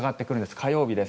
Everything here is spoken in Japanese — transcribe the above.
火曜日です